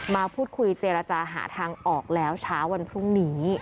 มาพูดคุยเจรจาหาทางออกแล้วเช้าวันพรุ่งนี้